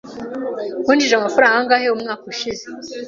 Winjije amafaranga angahe umwaka ushize?